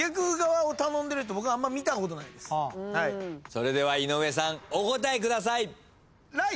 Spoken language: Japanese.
それでは井上さんお答えください！